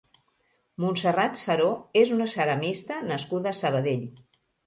Montserrat Seró és una ceramista nascuda a Sabadell.